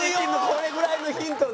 これぐらいのヒントで。